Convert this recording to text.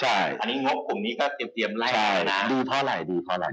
อันนี้งบกลุ่มก็ตรียมที่จับแล้วนะดีเพราะไหน